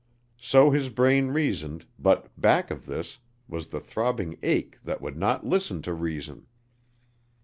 So his brain reasoned, but back of this was the throbbing ache that would not listen to reason.